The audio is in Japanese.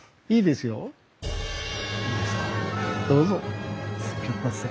すみません。